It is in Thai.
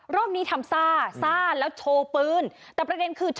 รอบนี้ทำซ่าซ่าแล้วโชว์ปืนแต่ประเด็นคือ